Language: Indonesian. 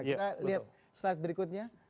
kita lihat slide berikutnya